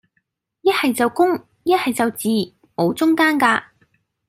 一係就公,一係就字,無中間架